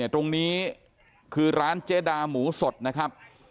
ตรงนี้คือร้านเจดาหมูสดนะครับ